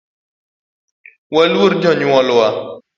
Waluor jonyuol wa